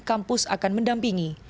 kampus akan mendampingi